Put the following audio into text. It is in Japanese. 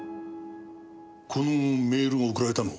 このメールが送られたの何時？